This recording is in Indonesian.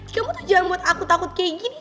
kamu tuh jangan buat aku takut kayak gini